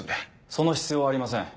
その必要はありません。